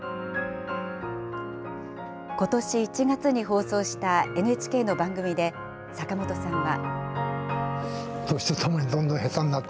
ことし１月に放送したＮＨＫの番組で坂本さんは。